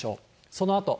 そのあと。